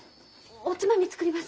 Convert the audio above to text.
おつまみ作ります。